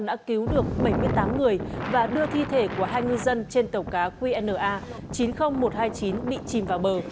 đã cứu được bảy mươi tám người và đưa thi thể của hai ngư dân trên tàu cá qna chín mươi nghìn một trăm hai mươi chín bị chìm vào bờ